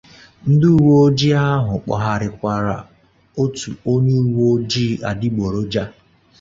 ndị uwe ojii ahụ kpụgharịkwara otu onye uwe ojii adịgboloja